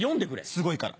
すごいから。